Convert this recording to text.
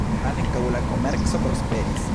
Ankaŭ la komerco prosperis.